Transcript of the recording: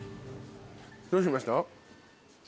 どうしました？